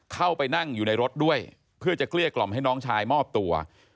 เข้าไปนั่งอยู่ในรถด้วยเพื่อจะเกลี้ยกล่อมให้น้องชายมอบตัว